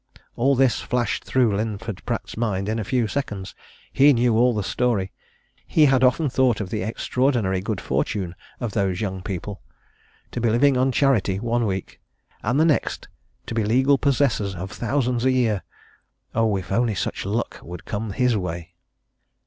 All this flashed through Linford Pratt's mind in a few seconds he knew all the story: he had often thought of the extraordinary good fortune of those young people. To be living on charity one week and the next to be legal possessors of thousands a year! oh, if only such luck would come his way!